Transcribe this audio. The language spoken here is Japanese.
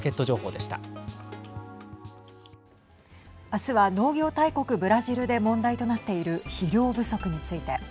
あすは農業大国ブラジルで問題となっている肥料不足について。